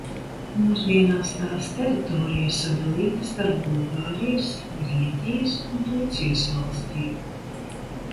Mūsdienās tās teritorija sadalīta starp Bulgārijas, Grieķijas un Turcijas valstīm.